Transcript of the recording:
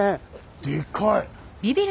でかい。